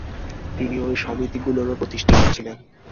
তিনি ঐ সমিতিগুলোরও প্রতিষ্ঠাতা ছিলেন।